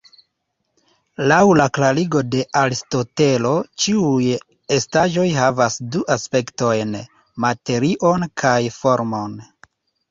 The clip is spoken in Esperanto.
Laŭ la klarigo de Aristotelo, ĉiuj estaĵoj havas du aspektojn, "materion" kaj "formon.